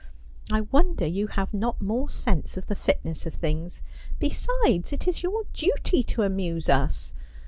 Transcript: I wonder you have not more sense of the fitness of things. Besides, it is your duty to amuse us.